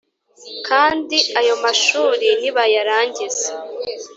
. Kandi ayo mashuri nibayarangiza,